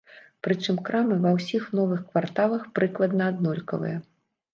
Прычым крамы ва ўсіх новых кварталах прыкладна аднолькавыя.